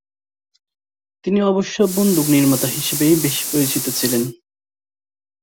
তিনি অবশ্য বন্দুক নির্মাতা হিসেবেই বেশি পরিচিত ছিলেন।